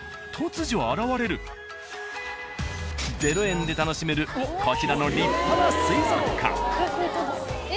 ［０円で楽しめるこちらの立派な水族館］